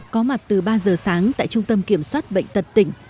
có mặt từ ba giờ sáng tại trung tâm kiểm soát bệnh tật tỉnh